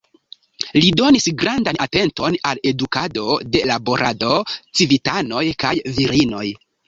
Li donis grandan atenton al edukado de laborado, civitanoj kaj virinoj.